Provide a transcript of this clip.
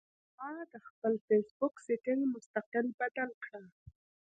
ما د خپل فېس بک سېټنګ مستقل بدل کړۀ